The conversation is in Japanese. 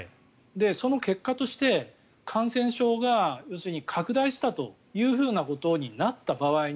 その結果として感染症が拡大したというふうなことになった場合に